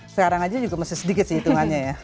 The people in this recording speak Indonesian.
sekarang aja juga masih sedikit sih hitungannya ya